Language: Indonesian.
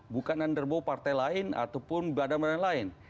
bukan underbo partai lain ataupun badan badan lain